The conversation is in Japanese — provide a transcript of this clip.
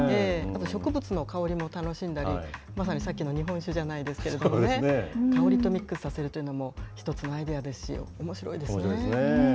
あと植物の香りも楽しんだり、まさにさっきの日本酒じゃないですけどもね、香りとミックスさせるというのも一つのアイデアですし、おもしろいですね。